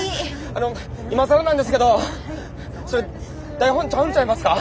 あの今更なんですけどそれ台本ちゃうんちゃいますか？